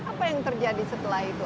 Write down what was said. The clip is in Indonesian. apa yang terjadi setelah itu